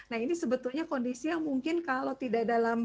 nah ini sebetulnya kondisi yang mungkin kalau tidak dalam